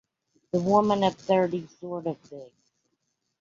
The 'woman of thirty' sort of thing.